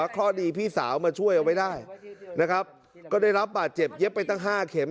เพราะดีพี่สาวมาช่วยเอาไว้ได้นะครับก็ได้รับบาดเจ็บเย็บไปตั้ง๕เข็ม